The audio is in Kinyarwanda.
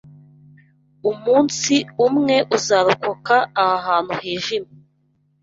Umunsi umwe uzarokoka aha hantu hijimye